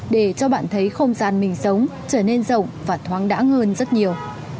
để cho bạn thấy không gian mình sống trở nên rộng và thoáng đã ngơn rất nhiều